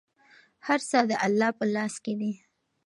هر څه د الله په لاس کې دي.